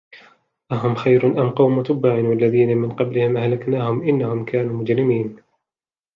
أَهُمْ خَيْرٌ أَمْ قَوْمُ تُبَّعٍ وَالَّذِينَ مِنْ قَبْلِهِمْ أَهْلَكْنَاهُمْ إِنَّهُمْ كَانُوا مُجْرِمِينَ